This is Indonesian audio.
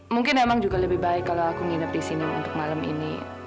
mungkin emang juga lebih baik kalo aku nginep disini untuk malam ini